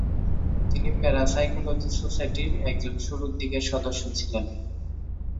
তিনি প্যারাসাইকোলজি সোসাইটির একজন শুরুর দিকের সদস্য ছিলেন।